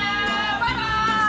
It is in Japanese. バイバイ！